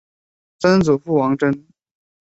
曾祖父王珍。